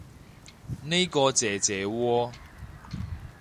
呢個姐姐喎